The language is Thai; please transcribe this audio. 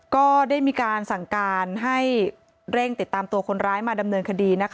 ก็ได้มีการสั่งการให้เร่งติดตามตัวคนร้ายมาดำเนินคดีนะคะ